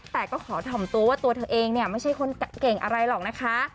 แต่ก็ขอถ่อมตัวว่าตัวเธอเองเนี่ยไม่ใช่คนเก่งอะไรหรอกนะคะ